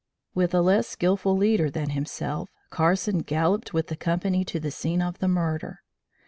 With a less skilful leader than himself, Carson galloped with the company to the scene of the murder.